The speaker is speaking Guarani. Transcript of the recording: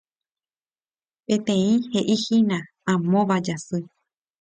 Peteĩ heʼíhina “Amóva Jasy”.